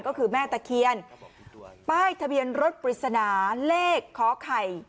ก็คือแม่ตะเคียนป้ายทะเบียนรถปริศนาเลขขอไข่